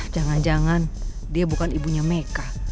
jangan jangan dia bukan ibunya meka